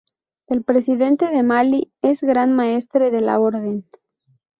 El Presidente de Malí es el Gran Maestre de la Orden.